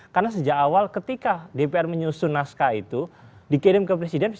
karena sejak awal ketika dpr menyusun naskah itu dikirim ke presiden